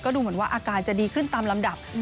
ดูเหมือนว่าอาการจะดีขึ้นตามลำดับ